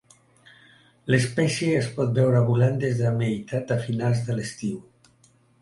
L'espècie es pot veure volant des de meitat a finals de l'estiu.